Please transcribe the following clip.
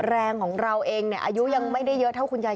แรงของเราเองอายุยังไม่ได้เยอะเท่าคุณยาย